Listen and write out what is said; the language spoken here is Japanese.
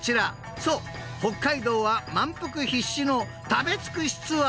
［そう北海道は満腹必至の食べ尽くしツアー］